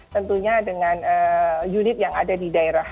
tentunya dengan unit yang ada di daerah